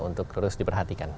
untuk terus diperhatikan